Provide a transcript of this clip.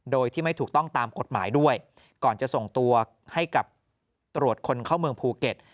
โดยที่ไม่ถูกต้องตามกฎหมายด้วยก่อนจะส่งตัวให้กับตรวจคนเข้าเมืองภูเก็ต